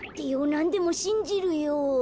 なんでもしんじるよ。